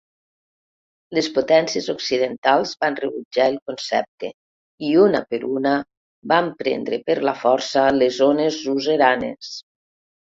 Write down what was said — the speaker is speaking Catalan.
Les potències occidentals van rebutjar el concepte i, una per una, van prendre per la força les zones suzeranes.